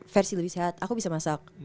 versi lebih sehat aku bisa masak